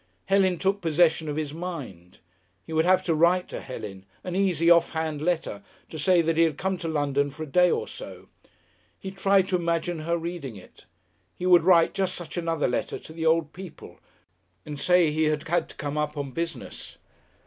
Helen took possession of his mind. He would have to write to Helen, an easy, off hand letter, to say that he had come to London for a day or so. He tried to imagine her reading it. He would write just such another letter to the old people, and say he had had to come up on business.